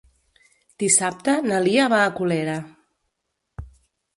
Dissabte na Lia va a Colera.